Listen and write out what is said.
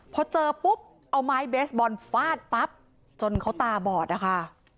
พอเจอปุ๊บเอาไม้เบสบอลฟาดปั๊บจนเขาตาบอดนะคะ